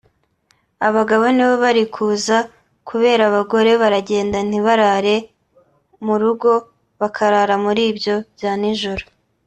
abagabo nibo bari kuza kubera abagore baragenda ntibarare mu rugo bakarara muri ibyo bya nijoro